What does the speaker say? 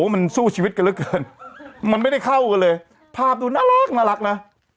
มันสู้ชีวิตกันเหลือเกินมันไม่ได้เข้ากันเลยภาพดูน่ารักนะ